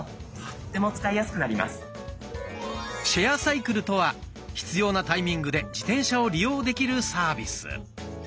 シェアサイクルとは必要なタイミングで自転車を利用できるサービス。